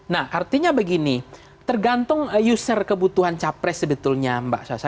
nah artinya begini tergantung user kebutuhan capres sebetulnya mbak sasa